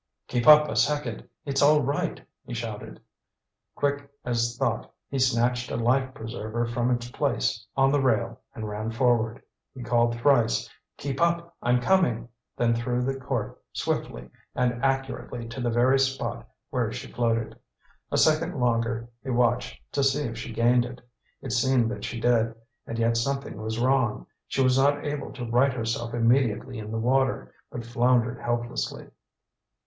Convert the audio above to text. "Keep up a second! It's all right!" he shouted. Quick as thought he snatched a life preserver from its place on the rail, and ran forward. He called thrice, "Keep up, I'm coming!" then threw the cork swiftly and accurately to the very spot where she floated. A second longer he watched, to see if she gained it. It seemed that she did, and yet something was wrong. She was not able to right herself immediately in the water, but floundered helplessly.